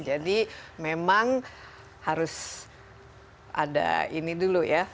memang harus ada ini dulu ya